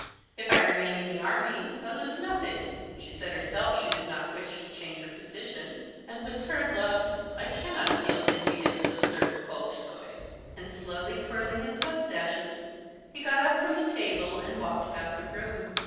If I remain in the army, I lose nothing. She said herself she did not wish to change her position. And with her love I cannot feel envious of Serpuhovskoy." And slowly twirling his mustaches, he got up from the table and walked about the room.